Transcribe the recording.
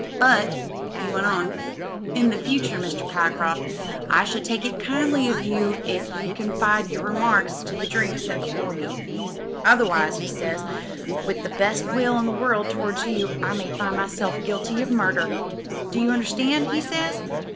^Bvi* he went on, 'in future, Mr. Pyecroft, I should take it kindly of you if you'd confine your remarks to the drinks set before you. Otherwise,' he says, *with the best will in the world towards you, I may find myself guilty of murderl Do you understand?' he says.